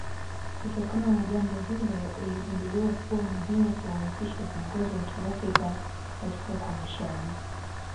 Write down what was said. Kutokana na jambo hilo iligunduliwa kuwa muhimu kuwahusisha viongozi wa Kiafrika katika ukomeshaji